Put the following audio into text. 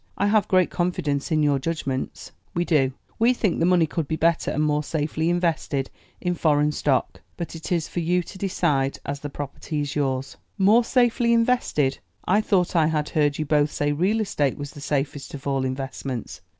I have great confidence in your judgments." "We do; we think the money could be better and more safely invested in foreign stock; but it is for you to decide, as the property is yours." "More safely invested? I thought I had heard you both say real estate was the safest of all investments."